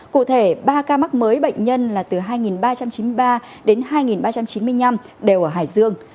cụ thể ba ca mắc mới bệnh nhân là từ hai ba trăm chín mươi ba đến hai ba trăm chín mươi năm đều ở hải dương